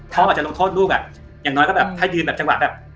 พ่อจะลงโทษลูกแบบอย่างน้อยก็แบบให้ยืนแบบจักรหวัดแบบ